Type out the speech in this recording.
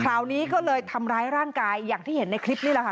คราวนี้ก็เลยทำร้ายร่างกายอย่างที่เห็นในคลิปนี่แหละค่ะ